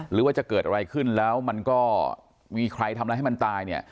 หรือว่าจะเกิดอะไรขึ้นแล้วมันก็มีใครทำอะไรให้มันตายเนี่ย